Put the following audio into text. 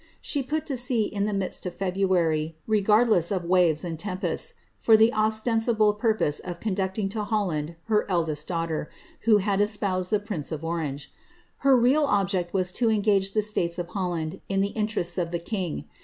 She put to sea in the niid&t of February, regardless of waves and tem pests, for the ostcn^iiblo purpose of conducting to Holland her eldest daughter, M'ho had espoused tlie prince of Orangn. Her ri*al object was to engage the states of Holland in the interests of tliu king.